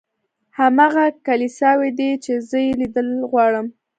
هماغه کلیساوې دي چې زه یې لیدل غواړم.